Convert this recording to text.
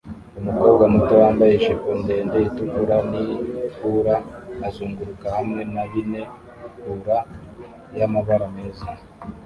Umukobwa muto wambaye ijipo ndende itukura ni hula azunguruka hamwe na bine hula yamabara meza